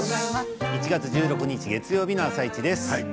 １月１６日月曜日の「あさイチ」です。